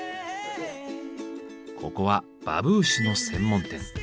ここはバブーシュの専門店。